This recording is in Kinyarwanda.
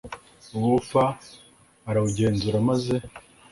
wo f Arawugenzura maze